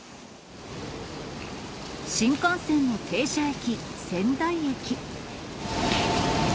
新幹線の停車駅、仙台駅。